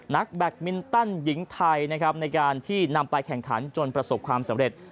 แบตมินตันหญิงไทยนะครับในการที่นำไปแข่งขันจนประสบความสำเร็จ